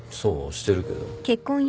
してるけど。